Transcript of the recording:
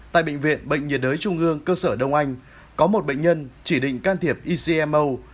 tại bệnh viện bệnh nhiệt đới trung ương cơ sở đông anh có một bệnh nhân chỉ định can thiệp ecmo